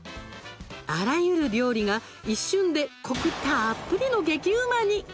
あらゆる料理が一瞬でコクたっぷりの激うまに。